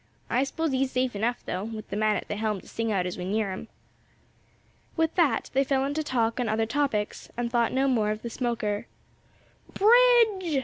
I s'pose he's safe enough, though, with the man at the helm to sing out as we near them." With that they fell into talk on other topics, and thought no more of the smoker. "Bridge!"